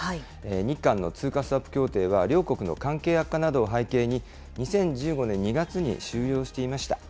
日韓の通貨スワップ協定は両国の関係悪化などを背景に、２０１５年２月に終了していました。